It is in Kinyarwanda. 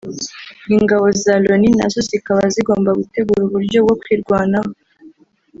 ingabo za Loni nazo zikaba zigomba gutegura uburyo bwo kwirwanaho